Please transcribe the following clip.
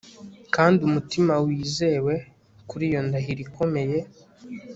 Kandi umutima wizewe kuri iyo ndahiro ikomeye